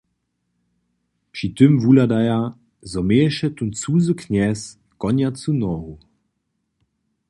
Při tym wuhlada, zo měješe tón cuzy knjez konjacu nohu.